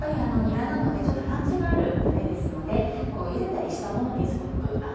にらなのでちょっとパンチがあるタレですのでゆでたりしたものにすごく。